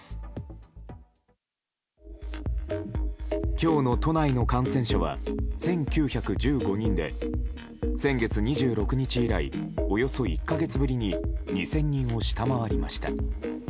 今日の都内の感染者は１９１５人で先月２６日以来およそ１か月ぶりに２０００人を下回りました。